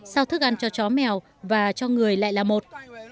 sao thức ăn cho chó mèo và cho người lại là một